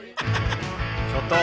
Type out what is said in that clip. ちょっと！